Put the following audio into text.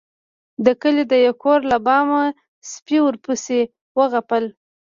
د کلي د يو کور له بامه سپي ورپسې وغپل.